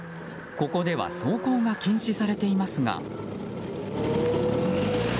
ここでは走行が禁止されていますが。